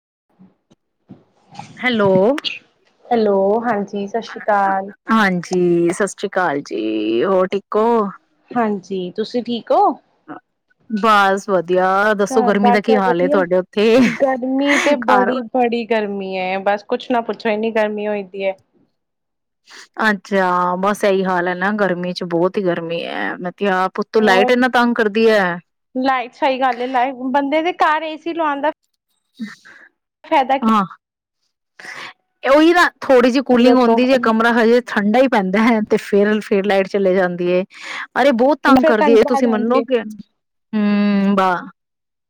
[inaudible] Hello. Hello ਹਾਂਜੀ। ਸਤਿ ਸ਼੍ਰੀ ਅਕਾਲ। ਹਾਂਜੀ। ਸ ਸਤਿ ਸ੍ਰੀ ਅਕਾਲ ਜੀ, ਹੋਰ, ਠੀਕ ਓ? ਹਾਂਜੀ। ਤੁਸੀਂ ਠੀਕ ਹੋ? ਬਸ ਵਧਆ ਘਰ- ਬਾਰ ਸਭ ਵਧੀਆ, ਉੱਥੇ ਗਰਮੀ ਤੇ ਘਰ ਬੜੀ- ਬੜੀ ਗਰਮੀ ਹੈ, ਬਸ ਕੁੱਛ ਨਾ ਪੁੱਛੋਨੀ ਗਰਮੀ ਹੋਈ ਦੀ ਹੈ ਅੱਛਾ‌। ਬਾਸ ਇਹੀ ਹਾਲ ਹੈ ਨਾ, ਗਰਮੀ ਚ ਬਹੁਤ ਹੀ ਗਰਮੀ ਹੈ। ਮ ਤੇ ਆਪ ਊਤੋਂ ਹੋਰ ਲਾਈਟ ਇੰਨਾ ਤੰਗ ਕਰਦੀ ਐ। ਲਾਈਟ ਸਹੀ ਗੱਲ ਹੈ ਲਾਈ ਬੰਦੇ ਦੇ ਘਰ ਏ ਸੀ ਲਵਾਂਦਾ [inaudible] ਫਾਇਦਾ ਕੀ ਹਾਂ ਉਹੀ ਨਾ ਥੋੜ੍ਹੀ ਜਿਹੀ ਕੀ ਕੂਲਿੰਗ ਦੱਸੋ ਹਉਂਦੀ ਜੇ, ਕਮਰਾ ਹਜੇ ਠੰਡਾ ਹੀ ਪੈਂਦਾ ਹੈ, ਤੇ ਫਿਰ ਫਿਰ ਲਾਈਟ ਚਲੇ ਜਾਂਦੀ ਏ ਅਰੇ ਬਹੁਤ ਤੰਗ ਫਿਰ ਕਰਦੀ ਇਹ ਘੰਟੇ ਬਾਅਦ ਤੁਸੀਂ ਆਉਂਦੀ ਮੰਨੋਗੇ, ਹੂੰ, ਵਾਹ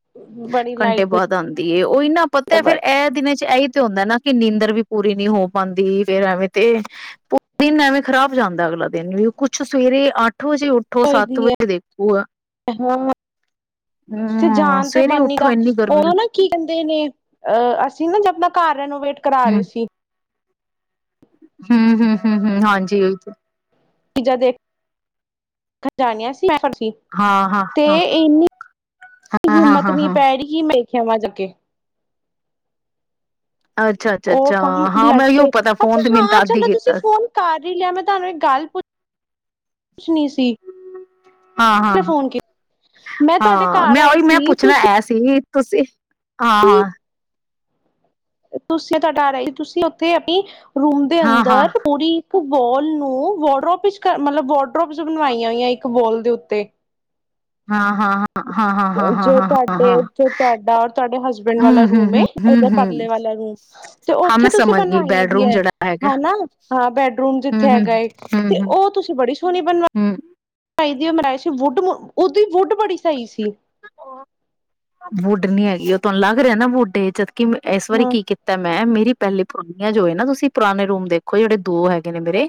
ਹੈ। ਬੜੀ ਘੰਟੇ ਲਾਈਟ ਬਾਅਦ ਆਉਂਦੇ ਤੇ ਉਈ, ਨਾ ਪੱਤਾ ਫੇਰ ਐ ਦਿਨਾਂ' ਚ ਇਹੀ ਤੇ ਹੁੰਦਾ ਨਾ ਕਿ, ਨੀਂਦਰ ਵੀ ਪੂਰੀ ਨਹੀਂ ਹੋ ਪਾਂਦੀ ਫੇਰ, ਐਵੇਂ ਤੇ ਦਿਨ ਐਵੇਂ ਖਰਾਬ ਜਾਂਦਾ ਅਗਲਾ ਦਿਨ ਵੀ ਕੁੱਛ ਸਵੇਰੇ ਅੱਠ ਅੱਠੋ ਵਜੇ- ਉੱਠੋ ਸੱਤ ਹੋਦੀ ਹੈ ਵਜੇ, ਦੇਖੋ ਆ ਹਾਂ ਹੰ, ਉੱਥੇ ਹਾਂ ਜਾਣ ਤੇ ਸਵੇਰੇ ਮਨ ਨੀ ਦਾ ਉੱਠੋ ਇੰਨੀ ਗਰਮੀ ਉਦੋਂ ਨਾ ਕੀ ਕਹਿੰਦੇ ਨੇ, ਅਹ ਅਸੀਂ ਨਾ, ਜਦ ਆਪਣਾ ਘਰ ਰੈਨੋਵੇਟ ਕਰਾ ਰਹੇ ਸੀ। ਹੂੰ, ਹੂੰ, ਹੰ, ਹ ਹਾਂਜੀ ਉਈ ਚੀਜ਼ਾਂ ਦੇਖ ਖਜਾਣੀਆਂ ਸੀ ਮੈਂ ਹਾਂ-ਹਾਂ, ਹਾਂ-ਹਾਂ-ਹਾਂ-ਹਾਂ-ਹਾਂ ਤੇ, ਇੰਨੀ ਅੱਛਾ-ਅੱਛਾ-ਅੱਛਾ ਹਾਂ ਹਾਂ ਹਿੰਮਤ ਹਾਂ ਨੀ ਪੈ ਹਾਂ ਰਹੀ ਸੀ, ਮੇ ਖਵਾਂ ਚ ਕੇ ਅੱਛਾ ਅੱਛਾ ਉਹ ਅੱਛਾ ਕੰਮ ਹਾਂ ਮੈਂ ਉਹੀਓ ਲਟਕੇ। ਪਤਾ ਫੋਨ ਅੱਛਾ ਤੇ ਮੈਨੂੰ ਹਾਂ ਤਦ ਹੀ ਚਲੋ, ਤੁਸੀਂ ਕੀਤਾ ਸੀ ਫੋਨ ਕਰ ਹੀ ਲਿਆ ਮੈਂ, ਤੁਹਾਨੂੰ ਇੱਕ ਗੱਲ ਪੁੱਛ ਸੀ ਨ ਹਾਂ- ਮੈਂ ਤੁਹਾਡੇ ਹਾਂ-ਹਾਂ ਘਰ ਮੈਂ ਆਈ ਉਹੀ, ਮੈਂ ਸੀ ਪੁੱਛਣਾ ਤੁਸੀਂ ਆ ਸੀ। ਤੁਸੀਂ ਹਾਂ ਹਾਂ ਤੁਸੀਂ ਤੁਹਾਡਾ ਲਈ ਤੁਸੀਂ ਉੱਥੇ ਆਪਣੀ ਰੂਮ ਦੇ ਹਾਂ-ਹਾਂ, ਅੰਦਰ ਪੂਰੀ ਬੋਲ ਨੂੰ ਵਾਰਡਰੋਪ ਵਿੱਚ ਕਰ ਮਤਲਬ ਵਡਰੋ ਟਪ ਬਣਵਾਈਆਂ ਹੋਈਆ ਇੱਕ ਵੋਲ ਦੇ ਉੱਤੇ ਤੇ [inaudible] ਹਾਂ ਹਾਂ ਹਾਂ ਜੋ ਤੁਹਾਡੇ ਤੁਹਾਡਾ ਤੁਹਾਡੇ ਹਸਬੈਂਡ ਵਾਲਾ ਹੂੰ, ਹੂੰ, ਰੂਮ ਹੂੰ, ਹੂੰ, ਓਦਾ ਹੂੰ ਪਰਲੇ ਵਾਲਾ ਰੂਮ ਤੇ ਹਾਂ ਉਓਥੇ ਮੈਂ ਤੁਸੀਂ ਸਮਝ ਗਈ ਬਣਵਾਈਆਂ ਦੀ ਬੈਡਰੂਮ ਹੈ ਜਿਹੜਾ ਹੈਗਾ ਹਾਂ ਬੈਡਰੂਮ ਹੂੰ, ਜਿਥੇ ਹੂੰ, ਹੈਗਾ ਹੂੰ, ਤੇ ਹੂੰ, ਉਹ ਤੁਸੀਂ ਬੜੀ ਸੋਹਣੀ ਬਣਵਾ ਹੂੰ। ਬਣਾਏ ਸੀ ਵੁਡ ਉਹਦੀ ਵੁਡ ਵੁਡ ੀ ਹੈਗੀ ਉਹ ਤੁਹਾਨੂੰ ਲੱਗ ਰਿਹਾ ਨਾ ਵੁਡ ਹੈ ਜਦ ਕਿ ਇਸ ਵਾਰੀ ਹਾਂ ਕੀ ਕੀਤਾ ਮੈਂ ਮੇਰੀ ਪਹਿਲੀ ਪਰੋਲੀਆਂ ਜੋ ਹੈ ਨਾ ਤੁਸੀਂ ਪੁਰਾਣੇ ਰੂਮ ਦੇਖੋ ਜਿਹੜੇ ਦੋ ਹੈਗੇ ਨੇ ਮੇਰੇ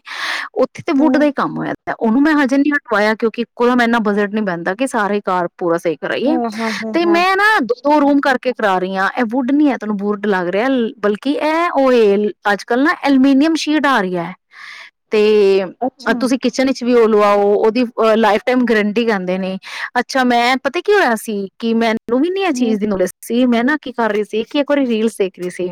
ਉੱਥੇ ਤੇ ਵੁਡ ਦਾ ਹਮ ਹੀ ਕੰਮ ਹੋਇਆ ਤੇ ਉਹਨੂੰੈਂ ਹਜੇ ਨਹੀਂ ਹਟਵਾਇਆ ਕਿਉਂਕਿ ਇੱਕੋਂ ਮੈਂ ਇੰਨਾ ਬਜਟ ਨੀ ਬਹਿੰਦਾ ਕਿ ਸਾਰੇ ਘਰ ਪੂਰਾ ਸਹੀ ਕਰਾਈਏ ਹਾਂ ਹਾਂ ਹਾਂ ਤੇ ਹਾਂ ਮੈਂ ਨਾੋ ਦੋ ਰੂਮ ਕਰਕੇ ਕਰਾ ਰਹੀਆਂ ਇਹ ਵੁਡ ਨੀ ਹੈ ਤੁਹਨੂੰ ਵੁਡ ਲੱਗ ਰਿਹਾ ਬਲਕਿ ਇਹ ਓ ਏ ਅੱਜ ਕੱਲ ਨਾ ਅਲਮੀਨੀਅਮ ਸ਼ੀਟ ਆ ਰਹੀ ਹੈ ਤੇ ਅੱਛਾ ਤੁਸੀਂ ਕਿਚਨ ਵਿੱਚ ਵੀ ਹੋ ਲਵਾਓ ਉਹਦੀ ਲਾਈਫ ਟਾਈਮ ਗਰੰਟੀ ਕਹਿੰਦੇ ਨੇ ਤਾਂ ਮੈਂ ਪਤਾ ਕੀ ਹੋਇਆ ਸੀ ਕਿ ਮੈਂ ਉਹ ਵੀ ਅਨਿਆ ਹਮ ਚੀਜ਼ ਦੀ ਨੋਲੇਜ ਇਹ ਮੈਂ ਨਾ ਕੀ ਕਰ ਰਹੀ ਸੀ ਕਿ ਇੱਕ ਵਾਰੀ ਰੀਲ ਦੇਖ ਰਹੀ ਸੀ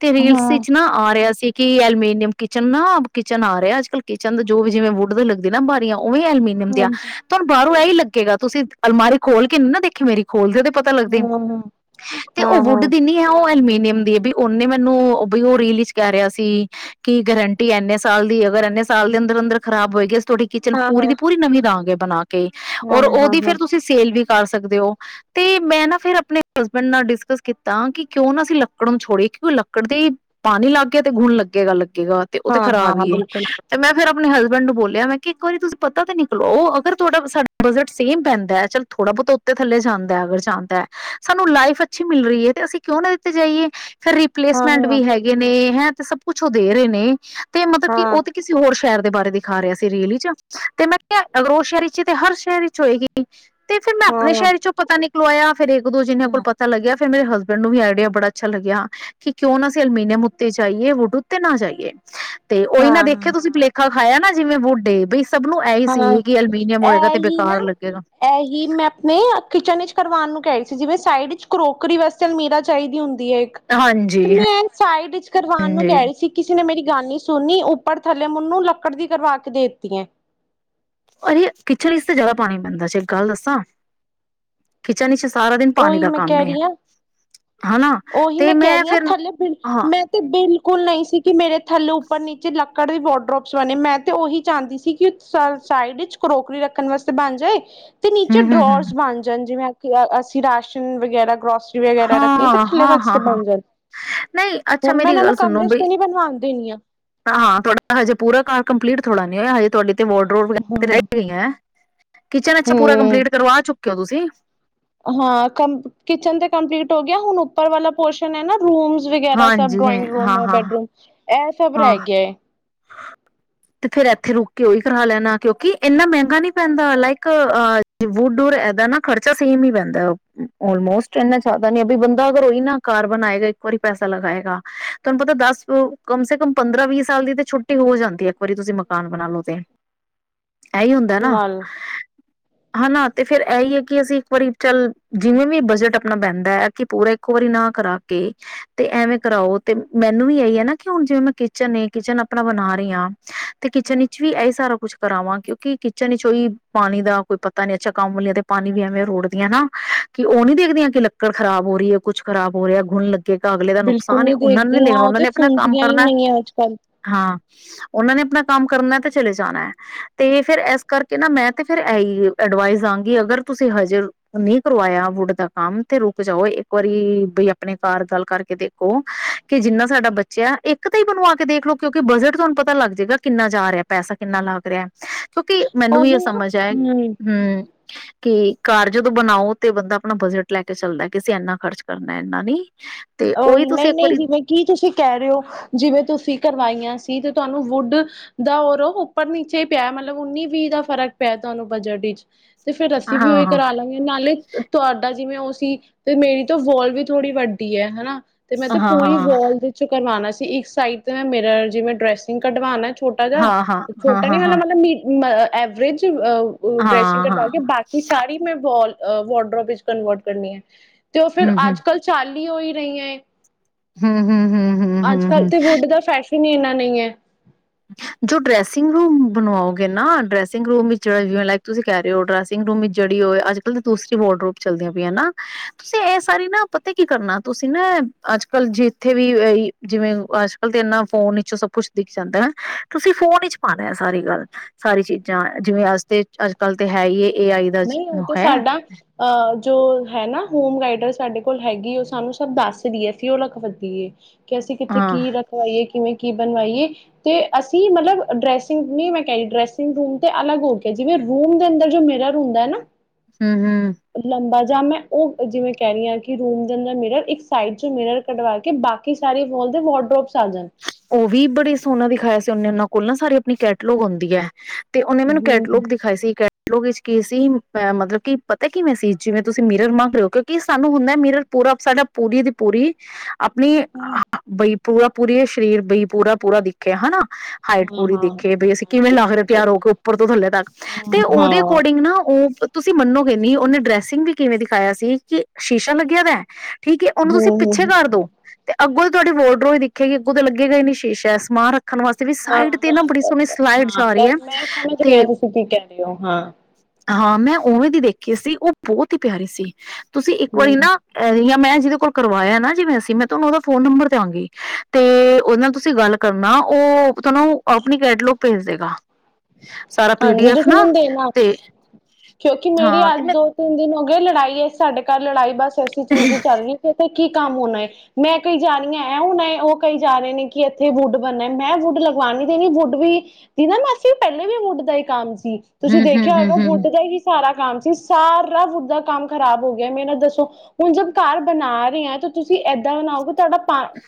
ਤੇ ਰੀਲ ਹਾਂ ਸੇ ਚ ਨਾ ਆ ਰਿਹਾ ਸੀ ਕੀ ਐਲਮੇਨੀਅਮ ਕਿਚਨ ਨਾ ਕਿਚਨ ਆ ਰਿਹਾ ਅੱਜ ਕੱਲ ਕਿ ਚੰਨ ਜੋ ਵੀ ਜਿਵੇਂ ਵੁੱਡ ਦੇ ਲੱਗਦੇ ਨੀ ਬਾਰਿਆ ਉਹ ਵੀ ਐਲਮੀਨੀਅਮ ਦੇ ਆ ਹਾਂਜੀ ਤੁਹਾਨੂੰ ਇਹੀ ਲੱਗੇਗਾ ਤੁਸੀਂ ਅਲਮਾਰੀ ਖੋਲ ਕੇ ਨਾ ਦੇਖੀ ਮੇਰੀ ਕੋਲ ਦੇ ਪਤਾ ਲੱਗਦੀਆਂ ਹਾਂ ਹਾਂ ਤੇ ਹਾਂ ਉਹ ਹਾਂ ਵੁੱਡ ਦੀ ਨਹੀਂ ਹੈ ਉਹ ਐਲੀਮਿਨੀਅਮ ਹੁੰਦੀ ਹ ਵੀ ਉਹਨੇ ਮੈਨੂੰ ਰਿਲੀਜ਼ ਕਹਿ ਰਿਹਾ ਸੀ ਕਿ ਗਰੰਟੀ ਇੰਨੇ ਸਾਲ ਦੀ ਅਗਰ ਇੰਨੇ ਸਾਲ ਦੇ ਅੰਦਰ ਅੰਦਰ ਖਰਾਬ ਹੋਏਗੀ ਤੁਹਾਡੀ ਕਿਚਨ ਹਾਂ ਹਾਂ ਹਾਂ ਪੂਰੀ ਦੀ ਪੂਰੀ ਨਵੀਂ ਦਾਂ ਗੇ ਨਾ [inaudible] ਹਾਂ ਔਰ ਉਹ ਹਾਂ ਫੇਰ ਹਾਂ ਤੁਸੀਂ ਸੇਲ ਵੀ ਬਣ ਸਕਦੇ ਹੋ ਤੇ ਮੈਂ ਨਾ ਫਿਰ ਆਪਣੇ ਹਸਬੈਂਡ ਨਾਲ ਡਿਸਕਸ ਕੀਤਾ ਕਿ ਕਿਉਂ ਨਾ ਅਸੀਂ ਲੱਕੜ ਨੂੰ ਛੋੜੇ ਕਿਉਂ ਲੱਕੜ ਦੇ ਪਾਣੀ ਲੱਗ ਗਿਆ ਤੇ ਗੁਣ ਲੱਗੇਗਾ। ਤੇ ਉਹ ਤੇ ਹਾਂ ਖਰਾਬ ਹਾਂ ਹੀ ਹੈ ਬਿਲਕੁਲ ਤੇ ਮੈਂ ਫਿਰ ਆਪਣੇ ਹਸਬੈਂਡ ਨੂੰ ਬੋਲਿਆ ਮੈਂ ਕਿ ਇੱਕ ਵਾਰੀ ਤੁਸੀਂ ਪਤਾ ਤੇ ਨਿਕਲੋ ਅਗਰ ਤੁਹਾਡਾ ਬਜਟ [unintelligible] ਬੰਦਾ ਚਲ ਥੋੜਾ ਬਹੁਤਾ ਉੱਤੇ ਥੱਲੇ ਜਾਂਦਾ ਫਿਰ ਜਾਂਦਾ ਸਾਨੂੰ ਲਾਈਫ ਅੱਛੀ ਮਿਲ ਰਹੀ ਹੈ ਤੇ ਅਸੀਂ ਕਿਉਂ ਨਾ ਦਿੱਤੀ ਜਾਈਏ। ਫੇਰ ਹਾਂ ਰਿਪਲੇਸਮੈਂਟ ਹਾਂ ਵੀ ਹੈਗੇ ਨੇ ਹੈਂ। ਸਭ ਕੁਝ ਉਹ ਦੇ ਰਹੇ ਨੇ। ਮਤਲਬ ਕਿ ਹਾਂ ਉਹ ਤੇ ਕਿਸੇ ਹੋਰ ਟਾਇਰ ਦੇ ਬਾਰੇ ਦਿਖਾ ਰਿਹਾ ਸੀ ਰੇਲ ਵਿਚ ਤੇ ਮੈਂ ਰੋਸ਼ਨੀ ਤੇ ਹਰ ਸ਼ੈਰੀ [inaudible] ਤੇ ਫਿਰ ਮੈਂ ਹਾਂ ਆਪਣੇ ਹਾਂ ਸ਼ਹਿਰ ਚੋਂ ਪਤਾ ਨੀ [unintelligible] ਫੇਰ ਇੱਕ ਦੋ ਜਿਨਾਂ ਕੋਲ ਹਾਂ ਪਤਾ ਲੱਗਿਆ ਕਹਿੰਦੇ ਹਸਬੈਂਡ ਨੂੰ ਵੀ ਆਈਡੀਆ ਬੜਾ ਅੱਛਾ ਲੱਗਿਆ ਕਿ ਕਿਉਂ ਨਾ ਐਲਮੀਨੀਅਮ ਉੱਤੇ ਜਾਈਏ ਉੱਤੇ ਨਾ ਜਾਈਏ। ਤੇ ਉਹੀ ਨਾ ਹਾਂ ਦੇਖੇ ਤੁਸੀਂ ਪਲੇਖਾ ਖਾਇਆ ਨਾ। ਜਿਵੇਂ ਬੋਡੇ ਬਈ, ਸਭ ਨੂੰ ਇਹੀ ਸੀ ਕਿ ਅਲਮੀਨੀਅਮ ਹੋਏਗਾ ਤੇ ਇਹਨਾ ਬੇਕਾਰ ਨੂੰ ਲੱਗੇਗਾ ਐ ਹੀ ਮੈਂ ਆਪਣੇ ਕਿਚਨ ਵਿੱਚ ਕਰਾਣ ਨੂੰ ਕਹਿ ਰਹੀ ਸੀ ਜਿਵੇਂ ਸਾਈਡ ਚ ਕਰੋਕਰੀਏਸ ਤੇ ਅਲਮੀਰਾ ਚਾਹੀਦੀ ਹੁੰਦੀ ਦੇਖ, ਤੇ ਹਾਂਜੀ ਮੈਂ ਸਾਈਡ ਚ ਕਰਾਣ ਨੂੰ ਹਾਂਜੀ ਕਹਿ ਰਹੀ ਸੀ ਕਿਸੇ ਨੇ ਮੇਰੀ ਗੱਲ ਨਹੀਂ ਸੁਣਨੀ ਤੇ ਉੱਪਰ ਥੱਲੇ ਮੈਨੂੰ ਲੱਕੜ ਦੀ ਕਰਵਾ ਕੇ ਦੇ ਤੀ ਆਂ। ਅ ਕਿਚਨ ਚ ਤੇ ਜਿਆਦਾ ਪਾਣੀ ਪੈਂਦਾ ਜੇ ਇੱਕ ਗੱਲ ਦੱਸਾਂ, ਕਿਚਨ ਚ ਉਹੀ ਮੈਂ ਕਹਿ ਰਹੀ ਹਾਂ, ਹਨਾ ਉਹੀ ਤੇ ਮੈਂ ਕਹਿ ਰਹੀ ਹਾਂ, ਫਿਰ ਥੱਲੇ ਬ ਹਾਂ ਮੈਂ ਤੇ ਬਿਲੁ ਕੁਲ ਨਹੀਂ ਸੀ। ਕਿ ਮੇਰੇ ਥੱਲੋ ਉਪਰ ਨੀਚੇ ਲ ਵਾਰਡ੍ਰੋਬਸ ਬਣੇ ਮੈਂ ਤੇ ਉਹੀ ਚਾਹੁੰਦੀ ਸੀ ਕਿ ਸਾਈਡ ਵਿਚ ਕਰੋਕਰੀ ਰੱਖਣ ਵਾਸਤੇ ਬਣ ਜਾਏ। ਤੇ ਹੂੰ ਨੀਚੇ ਹੂੰ ਹੂੰ ਡਰੋਰਸ ਬਣ ਜਾਣ ਜਿਵੇਂ ਕਿਆ ਅ ਰਾਸ਼ਨ ਵਗੈਰਾ, ਰੱਖਣੀ ਤੇ ਹਾਂ, ਥੱਲੇ ਹਾਂ, ਵਾਸਤੇ ਹਾਂ-ਹਾਂ, ਬਣ ਜਾਣ ਨਹੀਂ ਅੱਛਾ ਹੁਣ ਮੈਂ ਮੇਰੀ ਇਹਨਾਂ ਨੂੰ ਗੱਲ ਸੁਣੋ ਕਮਰੇ ਚ ਬਈ, ਤੇ ਨੀ ਬਣਵਾਣ ਦੇਣੀ ਆ। ਹਾਂ ਤੁਹਾਡਾ ਹਜੇ ਪੂਰਾ ਕਾਰ ਕੰਪਲੀਟ ਥੋੜ੍ਹਾ ਨੇੜਾ ਹਜੇ ਤੁਹਾਡੇ ਵੋਡਰੋਬ ਵਗੈਰਾ ਹੂੰ। ਤੇ ਰਹਿ ਗਈਆ ਐ, ਕਿਚਨ ਅੱਛਾ ਪੂਰਾ ਹੂੰ। ਕੰਪਲੀਟ ਕਰਵਾ ਚੁੱਕੇ ਹੋ ਤੁਸੀ। ਹਾਂ ਕਮ ਕਿਚਨ ਤੇ ਕੰਪਲੀਟ ਹੋ ਗਿਆ ਹੁਣ ਉੱਪਰ ਵਾਲਾ ਪੋਰਸ਼ਨ ਹੈ ਨਾ ਰੂਮਸ ਵਗੈਰਾ ਸਭ ਹਾਂਜੀ ਡਰਾਇੰਗ ਰੂਮ ਹਾਂ ਹੈ ਹਾਂ ਬੈਡਰੂਮ ਇਹ ਸਭ ਹਾਂ ਰਹਿ ਗਿਆ ਏ। ਤੇ ਫਿਰ ਇੱਥੇ ਰੁਕ ਕੇ ਉਹੀ ਕਰਾ ਲੈਨਾ, ਕਿਉਂਕਿ ਇੰਨਾ ਮਹਿੰਗਾ ਨੀ ਪੈਂਦਾ ਲਾਈਕ ਅ ਵੁਡ ਔਰ ਇਦਾ ਨਾ ਖਰਚਾ ਸੇਮ ਹੀ ਪੈਂਦਾ, ਆਲਮੋਸਟ ਇਨਾ ਜ਼ਿਆਦਾ ਨੀ ਬੰਦਾ ਅਗਰ ਉਹੀ ਨਾ ਘਰ ਬਣਾਏਗਾ, ਇੱਕ ਵਾਰੀ ਪੈਸਾ ਲਗਾਏਗਾ ਤੁਹਾਨੂੰ ਪਤਾ ਦਸ ਕਮ ਸੇ ਕਮ ਪੰਦਰਾਂ ਵੀਹ ਸਾਲ ਦੀ। ਛੁੱਟੀ ਹੋ ਜਾਂਦੀ ਹੈ। ਵਾਰੀ ਤੁਸੀਂ ਮਕਾਨ ਬਣਾ ਲੋ ਤੇ ਇਹੀ ਹੁੰਦੈ ਨਾ। ਨਾਲ ਹੈਨਾ ਤੇ ਫੇਰ ਇਹੀ ਹੈ ਕਿ ਅਸੀਂ, ਇੱਕ ਵਾਰੀ ਚੱਲ ਜਿਵੇਂ ਵੀ ਬਜਟ ਆਪਣਾ ਬਹਿੰਦਾ ਹੈ ਕਿ, ਪੂਰਾ ਇੱਕੋ ਵਾਰੀ ਨਾ ਕਰਾ ਕੇ ਤੇ ਐਵੇਂ ਕਰਾਓ, ਤੇ ਮੈਨੂੰ ਵੀ ਇਹੀ ਹੈ ਨਾ ਕਿ, ਹੁਣ ਜਿਵੇਂ ਮੈਂ ਕਿਚਨ ਏ, ਕਿਚਨ ਅਪ ਆਪਨਾ ਬਨਾ ਰਹੀ ਹਾਂ। ਤੇ ਕਿਚਨ ਇਚ ਵੀ, ਇਹੀ ਸਾਰਾ ਕੁਛ ਕਰਾਵਾਂ ਕਿਉ। ਕਿ ਕਿਚਨ ਵਿੱਚ ਕੋਈ ਪਾਣੀ ਦਾ ਕੋਈ ਪਤਾ ਨੀ, ਅੱਛਾ ਕੰਮ ਵਾਲੀਆਂ ਤੇ ਪਾਣੀ ਵੀ ਐਵੇਂ ਰੋੜਦੀਐ ਨਾ ਕਿ ਉਹ ਨੀ ਦੇਖਦੀਆਂ ਕਿ, ਲੱਕੜ ਖਰਾਬ ਹੋ ਰਹੀ ਹੈ, ਕੁੱਛ ਖਰਾਬ ਹੋ ਰਿਹਾ, ਗੁਣ ਲੱਗੇਗਾ ਅਗਲੇ ਦਾ ਬਿਲਕੁਲ ਨੁਕਸਾਨ ਨੀ ਉਹਨਾਂ ਨੇ ਨੀ ਦੇਖਦੀਆਂ ਦੇਖਣਾ ਉਹ ਉਹਨਾਂ ਤੇ ਨੇ ਆਪਣਾ ਕੰਮ ਸੁਣਦੀਆਂ ਹੀ ਕਰਨਾ। ਨਹੀਂ ਅੱਜ ਕੱਲ ਹਾਂ, ਉਹਨਾਂ ਨੇ ਆਪਣਾ ਕੰਮ ਕਰਨੈ ਤੇ ਚਲੇ ਜਾਣਾ ਹੈ, ਤੇ ਫੇਰ ਇਸ ਕਰਕੇ ਨਾ ਮੈਂ ਤੇ ਫਿਰ ਇਹੀ ਅਡਵਾਈਸ ਦਾਂਗੀ, ਅਗਰ ਤੁਸੀਂ ਹਜੇ ਨਹੀਂ ਕਰਵਾਇਆ ਵੁੱਡ ਦਾ ਕੰਮ ਤੇ ਰੁਕ ਜਾਓ, ਇੱਕ ਵਾਰੀ ਬਈ ਆਪਣੇ ਘਰ ਗਲ ਕਰਕੇ ਦੇਖੋ ਕਿ, ਜਿੰਨਾ ਸਾਡਾ ਬੱਚਿਆਂ ਇੱਕ ਤੇ ਹੀ ਬਣਵਾ ਕੇ ਦੇਖ ਲੋ। ਕਿਉਂਕਿ, ਬਜਟ ਤੁਹਾਨੂੰ ਪਤਾ ਲੱਗ ਜਾਏਗਾ, ਕਿਨਾ ਜਾ ਰਿਹਾ ਪੈਸਾ ਕਿੰਨਾ ਲੱਗ ਰਿਹਾ ਹੈ। ਕਿਉਂਕਿ, ਮੈਨੂੰ ਵੀ ਇਹ ਉਹੀ ਨਾ ਸਮਝ ਆਇਆ, ਹੂੰ। ਹਮ ਕਿ ਘਰ ਜਦੋਂ ਬਣਾਓ, ਤੇ ਬੰਦਾ ਆਪਣਾ ਬਜਟ ਲੈ ਕੇ ਚੱਲਦਾ ਕਿ, ਅਸੀਂ ਇੰਨਾ ਖਰਚ ਕਰਨਾ ਇਨਾ ਨਹੀਂ। ਓਹੀ, ਨਈਂ ਨਈੰ ਜਿਵੇਂ ਕੀ ਤੁਸੀਂ ਕਹਿ ਰਹੇ ਹੋ, ਜਿਵੇਂ ਤੁਸੀਂ ਕਰਵਾਈਆਂ ਸ ਸੀ ਤੇ ਤੁਹਾਨੂੰ ਵੁੱਡ ਦਾ ਔਰ ਓਹ ਉੱਪਰ ਨੀਚੇ ਹੀ ਪਿਆ ਮਤਲਬ, ਉੱਨੀ ਵੀਹ ਦਾ ਫ਼ਰਕ ਪਿਆ ਤੁਹਾਨੂੰ ਬਜਟ ਵਿਚ। ਤੇ ਫੇਰ ਅਸੀਂ ਵੀ ਉਹੀ ਹਾਂ-ਹਾਂ, ਕਰਾ ਲਾਂਗੇ, ਨਾਲੇ ਤੁਹਾਡਾ ਜਿਵੇਂ ਓਸ ਸੀ ਤੇ ਮੇਰੀ ਤੇ ਵੋਲ ਵੀ ਥੋੜੀ ਵੱਡੀ ਡੀ ਹੈ ਹੈਨਾ ਤੇ ਮੈਂ ਤੇ ਪੂਰੀ ਹਾਂ-ਹਾਂ ਵਾੱਲ ਵਿਚੋਂ ਕਰਵਾਉਣਾ ਸੀ। ਤੇ ਇੱਕ ਸਾਈਡ ਤੇ ਮੈਂ ਮਿਰਰ, ਜਿਵੇਂ ਡਰੈਸਿੰਗ ਕਢਵਾਉਣੈ ਛੋਟਾ ਜਾ, ਹਾਂ, ਹਾਂ, ਹਾਂ, ਛੋਟਾ ਹਾਂ, ਨਹੀਂ ਮ ਹਾਂ, ਮਤਲਬ ਮ ਐਵਰੇਜ ਈ ਅ ਡਰੈਸਿੰਗ ਹਾਂ, ਕਰਵਾ ਕੇ, ਹਾਂ, ਬਾਕੀ ਸਾਰੀ ਮੈਂ ਵੋਲ ਅ ਵੋਡਰੋਪ ਵਿੱਚ ਕਨਵਰਟ ਕਰਨੀ ਐ। ਤੇ ਉਹ ਫਿਰ ਹੂੰ, ਅੱਜ -ਕੱਲ੍ਹ ਚਲ ਹੀ ਓਹੀ ਰਹੀਆਂ ਐਂ। ਹੂੰ-ਹੂੰ-ਹੂੰ-ਹੂੰ-ਹੂੰ-ਹੂੰ। ਨਈ ਐ। ਜੋ ਡਰੈਸਿੰਗ ਰੂਮ ਬਣਵਾਓਗੇ ਨਾ, ਡਰੈਸਿੰਗ ਰੂਮ ਵਿੱਚ ਜਿਵੇਂ ਲਾਈਕ ਤੁਸੀਂ ਕਹਿ ਰਹੇ ਹੋ, ਡਰੈਸਿੰਗ ਰੂਮ ਵਿੱਚ ਜੜੀ ਹੋਏ ਅੱਜ -ਕੱਲ ਤਾਂ ਦੂਸਰੀ ਵਾਰਡਰੋਪ ਚੱਲਦੀਆਂ ਪਈਆਂ ਨਾ, ਤੁਸੀਂ ਇਹ ਸਾਰੀ ਨਾ ਪਤਾ ਕੀ ਕਰਨਾ ਤੁਸੀਂ ਨਾ, ਅੱਜ- ਕੱਲ ਜਿੱਥੇ ਵੀ ਜਿਵੇਂ ਅੱਜ ਕਲ ਤੇ ਇੰਨਾ ਫੋਨ ਵਿਚੋਂ ਸਭ ਕੁੱਛ ਦਿਖ ਜਾਂਦਾ। ਤੁਸੀਂ ਫੋਨ ਵਿਚ ਪਾਨੈ ਆ ਸਾਰੀ ਗੱਲ, ਸਾਰੀ ਚੀਜ਼ਾਂ ਜਿਵੇਂ ਅੱਜ ਤੇ ਅੱਜ ਕੱਲ ਤੇ ਹੈ ਹੀ ਏ। ਆਈ ਦਾ ਨਈ ਓ ਜ- ਤਾਂ ਹੈ ਸਾਡਾ, ਅ ਜੋ ਹੈਨਾ ਹੋਮ ਗਾਈਡਸ ਸਾਡੇ ਕੋਲ ਹੈਗੀ ਏ, ਓ ਸਾਨੂੰ ਸਭ ਦੱਸਦੀ ਐ [unintelligible] ਕਿ ਅਸੀਂ, ਕਿੱਥੇ ਹਾਂ, ਕੀ ਰਖਵਾਈਏ? ਕਿਵੇਂ ਕੀ ਬਣਵਾਈਏ, ਤੇ ਅਸੀਂ ਮਤਲਬ ਡਰੈਸਿੰਗ ਨੀ ਮੈਂ ਕਹਿ ਰੀ, ਡਰੈਸਿੰਗ ਰੂਮ ਤੇ ਅਲੱਗ ਹੋ ਗਿਆ ਜਿਵੇਂ, ਰੂਮ ਦੇ ਅੰਦਰ ਜੋ ਮੀਰਰ ਹੁੰਦਾ ਨਾ ਹੂੰ-ਹੂੰ ਲੰਬਾ ਜਾਂ ਮੈਂ ਓ ਓ ਜਿਵੇਂ ਕਹਿ ਰਹੀ ਆ ਕਿ ਰੂਮ ਦੇ ਅੰਦਰ ਮਿਰਰ ਇੱਕ ਸਾਈਡ ਚ ਮੇਰ ਕਢਵਾ ਕੇ ਬਾਕੀ ਸਾਰੇ ਵੋਲ ਦੇ ਵਾਰਡੋਪਸ ਓ ਵੀ ਬੜੇ ਸੋਹਣਾ ਦਿਖਾਇਆ ਸੀ ਉਹਨੇ ਨ ਕੋਲ ਨਾ ਸਾਰੀ ਆਪਣੀ ਕੈਟਲੋਗ ਹੁੰਦੀ ਐ ਤੇ ਓਨੇ ਮੈਨੂੰ ਹਮ ਕੈਟਲੋਗ ਦਿਖਾਏ ਸੀ ਲੋਕ ਵਿੱਚ ਕੀ ਸੀ ਮਤਲਬ ਕਿ ਪਤਾ ਕਿਵੇਂ ਸੀ ਜਿਵੇਂ ਤੁਸੀਂ ਮੀਰਰ ਮੰਗ ਰਹੇ ਓ ਕਿਉਂਕਿ ਸਾਨੂੰ ਹੁੰਦਾ ਮੀਰਰ ਪੂਰਾ ਸਾਡਾ ਪੂਰੀ ਦੀ ਪੂਰੀ ਆਪਣੀ ਬਈ [unintelligible] [inaudible] ਪੂਰੀ ਸਰੀਰ ਬੀ ਪੂਰਾ-ਪੂਰਾ ਦਿਖੇ ਹਨਾ। ਹਾਈਟ ਹਾਂ ਪੂਰੀ ਹਾਂ ਦਿਖੇ ਬਈ ਅਸੀਂ ਕਿਵੇਂ ਹਾਂਜੀ ਲੱਗ ਰਹੇ ਹਾਂ ਹਾਂ ਤਿਆਰ ਹੋ ਕੇ ਉੱਪਰ ਤੋਂ ਥੱਲੇ ਤੱਕ ਤੇ ਓ ਦੇ ਹਮ ਅਕੋਰਡਿੰਗ ਨਾ ਓ ਤੁਸੀਂ ਮੰਨੋਗੇ ਨੀ ਉਨੇ ਡਰੈਸਿੰਗ ਵੀ ਕਿਵੇਂ ਦਿਖਾਇਆ ਸੀ ਕਿ ਸ਼ੀਸ਼ਾ ਲੱਗਿਆ ਵਿਆ ਠੀਕ ਐ ਉਹਨੂੰ ਤੁਸੀਂ ਹਮ ਪਿੱਛੇ ਹਮ ਕਰ ਦੋ ਤੇ ਅੱਗੋਂ ਤੁਹਾਡੀ ਵੋਰਡਰੋ ਈ ਦਿ ਖੇਗੀ ਅੱਗੋ ਤਾਂ ਲੱਗੇਗਾ ਈ ਨੀ ਸ਼ੀਸ਼ਾ ਐ ਸਮਾਨ ਰੱਖ ਹਾਂ-ਹਾਂ-ਹਾਂ ਜਾ ਮੈਂ ਰਹੀ ਹੈ ਮੈਂ ਸਮਝ ਰਹੀ ਤੇ ਆ ਤੁਸੀਂ ਕੀ ਕਹਿ ਰੇ ਓ ਹਾਂ ਹਾਂ ਮੈਂ ਉਵੇਂ ਦੀ ਦੇਖੀ ਸੀ ਓ ਬਹੁਤ ਹੀ ਪਿਆਰੀ ਸੀ। ਤੁਸੀਂ ਇੱਕ ਵਾਰੀ ਹਮ ਨਾ [unintelligible] ਜਿਦੇ ਕੋਲ ਕਰਵਾਇਆ ਨਾ ਜਿਵੇਂ ਸੀਮ ਤੋ ਮੈਂ ਤੁਹਾਨੂੰ ਉਹਦਾ ਫੋਨ ਨੰਬਰ ਦਿਆਂਗੀ। ਤੇ ਉਹਦੇ ਨਾਲ ਤੁਸੀਂ ਗੱਲ ਕਰਨਾ ਉਹ ਤੁਹਾਨੂੰ ਆਪਣੀ ਕੈਟਲੋਗ ਭੇਜ ਦੇਗਾ। ਸਾਰਾ ਪੀ ਡੀ ਹਾਂਜੀ ਜ ਐਫ ਸੁਣਦੇ ਨਾ ਤੇ ਕਿਉਂਕਿ ਮੇਰੀ ਹਾਂ ਅੱਜ ਤੇ ਮੈਂ ਦੋ ਤਿੰਨ ਦਿਨ ਹੋ ਗੇ ਲੜਾਈ ਐ ਸਾਡੇ ਘਰ ਲੜਾਈ ਬਸ ਐਸੀ ਚੀਜ਼ ਚੱਲਦੀ ਕੀ ਕੰਮ ਹੋਣਾ ਹੈ ਮੈਂ ਕਈ ਜਾ ਰਹੀ ਹਾਂ ਐ ਹੁਣਾ ਉਹ ਕਈ ਜਾ ਰਹੇ ਨੇ ਕਿ ਇੱਥੇ ਵਡ ਬਣਨਾ ਮੈਂ ਵੁੱਡ ਲਗਵਾਣੀ ਦੇਣੀ ਵੁੱਡ ਵੀ ਦੀ ਨਾ ਮ ਪਹਿਲੇ ਵੀ ਵੁਡ ਦਾ ਹੀ ਕੰਮ ਸੀ ਤੁਸੀਂ ਹਮ ਹਮ ਦੇਖਿਆ ਹਮ ਹੋਏਗਾ ਹਮ ਫੁੱਡ ਦਾ ਹੀ ਸਾਰਾ ਕੰ ਸੀ ਸਾਰਾ ਵੁਡ ਦਾ ਕੰਮ ਖਰਾਬ ਹੋ ਗਿਆ ਮੇਰੇ ਨਾਲ ਦੱਸੋ ਹੁਣ ਜਦ ਘਰ ਬਣਾ ਰਹੇ ਹ ਤਾਂ ਤੁਸੀਂ ਏਦਾਂ ਬਣਾਓਗੇ ਤੁਹਾਡਾ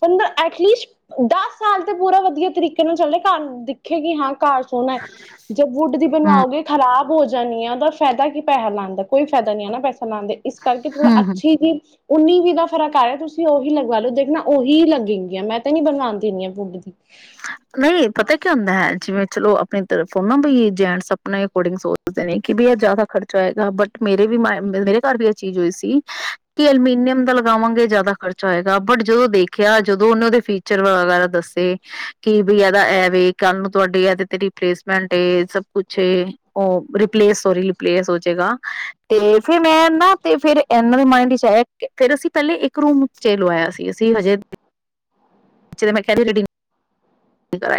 ਪੰਦਰਾਂ ਐਟਲੀਸਟ ਦਸ ਸਾਲ ਤੇ ਪੂਰਾ ਵਧੀਆ ਤਰੀਕੇ ਨਾਲ ਚੱਲ ਰਿਹਾ ਘਰ ਦੇਖੇਗੀ ਹਾਂ ਘਰ ਸੋਣਾ ਜ ਵੁੱਡ ਦੀ ਹਮ ਬਣਵਾਓਗੇ ਖ਼ਰਾਬ ਹੋੋ ਜਾ ਨ ਉਹਦਾ ਫਾਇਦਾ ਕੀ ਪੈਸਾ ਲਾਨ ਦਾ ਕੋਈ ਫਾਇਦਾ ਨੀ ਹੈ ਨਾ ਪੈਸਾ ਸੁਣਾਉਦੇ ਇਸ ਕਰਕੇ ਥੋੜਾ ਹਮ ਹਮ ਅੱਛੀ ਜ ਉੱਨੀ ਵੀ ਦਾ ਫਰਕ ਆ ਰਿਹਾ ਤੁਸੀਂ ਉਹੀ ਲਗਵਾ ਲਓ ਦੇਖਣਾ ਉਹੀ ਲੱਗਗੀਆਂ ਮੈਂ ਤਾਂ ਨੀ ਬਣਵਾਉਣ ਦਿੰਦੀ ਹਾਂ ਵੁਡ ਦੀ ਨਹੀਂ ਪਤਾ ਕੀ ਹੁੰਦਾ ਹੈ ਜਿਵੇਂ ਚਲੋ ਆਪਣੀ ਤਰਫ ਨਾ ਬ ਜੈਂਟਸ ਆਪਣੇ ਅਕੋਰਡਿੰਗ ਸੋਚਦੇ ਨੇ ਕਿ ਬ ਇਹ ਜ਼ਿਆਦਾ ਖਰਚਾ ਹੋਏਗਾ ਬਟ ਮੇਰੇ ਵੀ ਮ ਮੇਰੇ ਘਰ ਵੀ ਇਹ ਚੀਜ਼ ਹੋਈ ਸੀ ਕਿ ਅਲਮੀਨੀਅਮ ਦਾ ਲਗਾਵਾਂਗੇ ਜਿਆਦਾ ਖਰਚਾ ਹੋਏਗਾ ਬਟ ਜਦੋਂ ਦੇਖਿਆ ਜਦੋਂ ਉਹਨੇ ਉਹਦੇ ਫੀਚਰ ਵਗੈਰਾ ਦੱਸੇ ਕਿ ਬਈ ਇਹਦਾ ਐਵੇ ਕੱਲ ਨੂੰ ਤੁਹਾਡੀ ਇਹਦੇ ਤੇ ਰਪਲੇਸਮੈਂਟ ਸਬ ਕੁਛ ਉਹ ਰਪਲੇਸ ਸੋਰੀ ਰਪਲੇਸ ਹੋਜੇਗਾ ਤੇ ਫੇਰ ਮੈਂ ਨਾ ਤੇ ਫਿਰ ਇਹਨਾਂ ਦੇ ਮਾਇੰਡ ਚ ਆਇਆ ਫਿਰ ਅਸੀਂ ਪਹਿਲੇ ਇੱਕ ਰੂਮ ਚ ਲਵਾਇਆ ਸੀ ਅਸੀਂ ਹਜੇ ਮੈਂ ਕਹਿ ਕਕਰ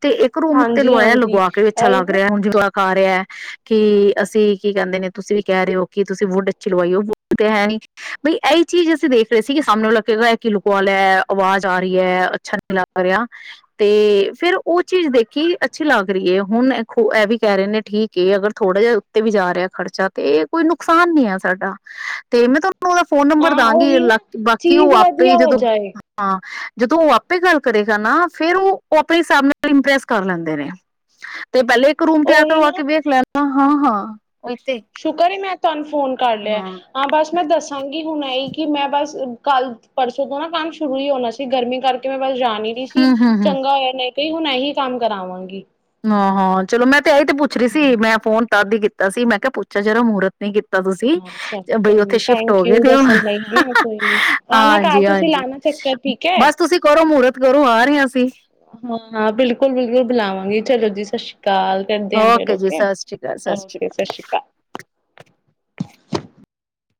ਤੇ ਇੱਕ ਰੂਮ ਉੱਤੇ ਹਾਂਜੀ ਲਵਾਇਆ ਹਾਂਜੀ ਲਗਵਾ ਕੇ ਅੱਛਾ ਇਹੀ ਲੱਗ ਨਾ ਰਿਹਾ ਹੁਣ ਖਾ ਰਿਹਾ ਕਿ ਅਸੀਂ ਕੀ ਕਹਿੰਦੇ ਨੇ ਤੁਸੀਂ ਵੀ ਕਹਿ ਰਹੇ ਹੋ ਕਿ ਤੁਸੀਂ ਵੁੱਡ ਅੱਛੀ ਲਵਾਈਓ ਵੁੱਡ ਤੇ ਹੈ ਨੀ ਬਈ ਇਹੀ ਚੀਜ਼ ਅਸੀਂ ਦੇਖ ਰਹੇ ਸੀ ਕਿ ਸਾਹਮਣੇ ਕਹੇਗਾ ਆ ਕੀ ਲੁਕਵਾ ਲਿਆ ਆਵਾਜ਼ ਆ ਰਹੀ ਹੈ ਅੱਛਾ ਲੱਗ ਰਿਹਾ ਤੇ ਫੇਰ ਉਹ ਚੀਜ਼ ਦੇਖੀ ਅੱਛੀ ਲੱਗ ਰਹੀ ਹੈ ਹੁਣ ਇਹ ਵੀ ਕਹਿ ਰਹੇ ਨੇ ਠੀਕ ਏ ਅਗਰ ਥੋੜਾ ਜਿਹਾ ਉੱਤੇ ਵੀ ਜਾ ਰਿਹਾ ਖ਼ਰਚਾ ਤੇ ਇਹ ਕੋਈ ਨੁਕਸਾਨ ਨੀ ਹੈ ਸਾਡਾ ਤੇ ਮੈਂ ਤੁਹਾਨੂੰ ਉਹਦਾ ਫੋਨ ਨੰਬਰ ਹਾਂ ਦਾਂਗੀ ਉਹੀ ਲ ਨਾ ਬਾਕੀ ਉਹ ਚੀਜ਼ ਆਪੇ ਵਧੀਆ ਹੋ ਜਦੋਂ ਜਾਏ ਹਾਂ ਜਦੋਂ ਆ ਆਪੇ ਗੱਲ ਕਰੇਗਾ ਨਾ ਫੇਰ ਉਹ ਆਪਣੇ ਹਿਸਾਬ ਨਾਲ ਇੰਪ੍ਰੈਸ ਕਰ ਲੈਂਦੇ ਨੇ। ਤੇ ਪਹਿਲੇ ਇੱਕ ਰੂਮ ਤੇ ਆ ਉਹੀ ਕਰਵਾ ਨਾ ਕੇ ਵੇਖ ਲੈਣ। ਹਾਂ-ਹਾਂ, ਹਾਂ। ਉਹੀ ਤੇ ਸ਼ੁਕਰ ਏ ਮੈਂ ਧੰਨ ਫੋਨ ਕਰ ਲਿਆ ਹਾਂ ਬਸ ਮੈਂ ਦੱਸਾਂਗੀ ਹੁਣ ਐਈ ਕਿ ਮੈਂ ਬਸ ਕੱਲ-ਪਰਸੋਂ ਤੋਂ ਨਾ ਕੰਮ ਸ਼ੁਰੂ ਹੀ ਹੋਣਾ ਸੀ ਗਰਮੀ ਕਰਕੇ ਮੈਂ [unintelligible] ਜਾ ਨਹੀਂ ਰਹੀ ਸੀ ਹੂੰ ਹੂੰ ਹੂੰ ਚੰਗਾ ਹੋਇਆ ਨਹੀਂ ਕਈ ਹੁਣ ਇਹੀ ਕੰਮ ਕਰਾਵਾਂਗੀ। ਹਾ, ਹਾਂ ਚਲੋ ਮੈਂ ਤੇ ਇਹ ਤੇ ਪੁੱਛ ਰਹੀ ਸੀ ਮੈਂ ਫੋਨ ਤਦ ਹੀ ਕੀਤਾ ਸੀ ਮੈਂ ਕਿਹਾ ਪੂਛਾਂ ਜਰਾ ਮਹੂਰਤ ਨਹੀਂ ਕੀਤਾ ਤੁਸੀਂ ਹਾਂ ਚਲੋ ਬਈ ਕੋਈ ਨੀ ਉੱਥੇ ਸ਼ਿਫਟ ਹੋ ਥੈਂਕ ਗਏ ਯੂ ਦਿਓ ਦੱਸਣ ਲਈ ਹਨਾ ਕੋਈ ਨੀ ਆਣਾ ਘਰ ਤੁਸੀਂ ਹਾਂਜੀ-ਹਾਂਜੀ ਲਾਣਾ ਚੱਕਰ ਠੀਕ ਹੈ ਬਸ ਤੁਸੀਂ ਕਰੋ ਮੂਰਤ ਕਰੋ ਆ ਰਹੇ ਅਸੀ। ਹਾਂ-ਹਾਂ ਬਿਲਕੁਲ-ਬਿਲਕੁਲ ਬੁਲਾਵਾਂਗੀ ਚਲੋ ਜੀ [inaudible] ਕਾਲ ਕਰਦੇ ਆ ਫਿਰ ਜੀ ਓਕੇ, ਸਤਿ ਸ਼੍ਰੀ ਅਕਾਲ ਸਤਿ ਸ਼੍ਰੀ ਅਕਾਲ ਓਕੇ ਸਤ ਸ਼੍ਰੀ ਅਕਾਲ।